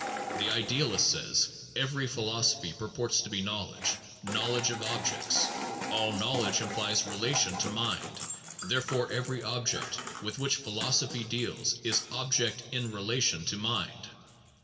The idealist says: "Every philosophy purports to be knowledge, knowledge of objects; all knowledge implies relation to mind; there fore every object with which philosophy deals is object in relation to mind.